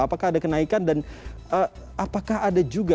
apakah ada kenaikan dan apakah ada juga